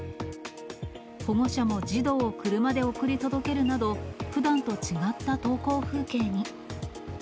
保護者も児童を車で送り届けるなど、ふだんと違った投稿風景に。